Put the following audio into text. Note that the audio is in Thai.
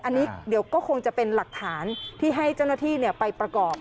อันนี้เดี๋ยวก็คงจะเป็นหลักฐานที่ให้เจ้าหน้าที่ไปประกอบ